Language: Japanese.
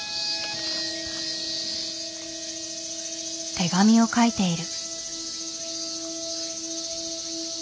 手紙を書いている。